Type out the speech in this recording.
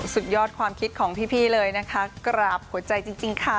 สุดยอดความคิดของพี่เลยนะคะกราบหัวใจจริงค่ะ